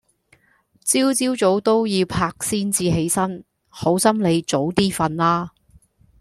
朝朝早都要拍先至起身，好心你早啲瞓啦